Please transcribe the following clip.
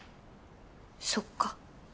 そっか。